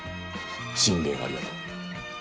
進言ありがとう。